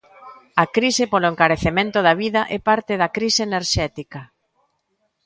A crise polo encarecemento da vida é parte da crise enerxética.